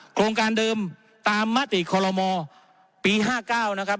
โครงการเดิมตามมาตริกคอลโลมอร์ปีห้าเก้านะครับ